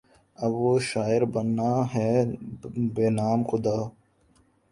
اب وہ شاعر بنا ہے بہ نام خدا